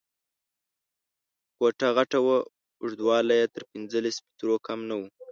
کوټه غټه وه، اوږدوالی یې تر پنځلس مترو کم نه و.